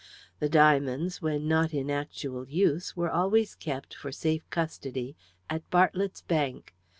The diamonds, when not in actual use, were always kept, for safe custody, at Bartlett's Bank.